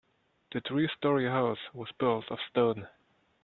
The three story house was built of stone.